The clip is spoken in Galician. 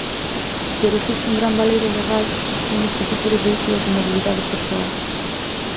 Pero existe un gran baleiro legal con este tipo de vehículos de mobilidade persoal.